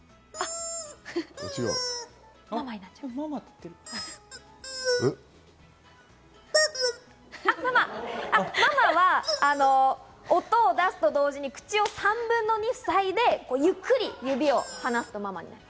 あ、「ママ」は音を出すと同時に、口を３分の２ふさいで、ゆっくり指を離すとママになる。